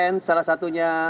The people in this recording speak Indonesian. ya event salah satunya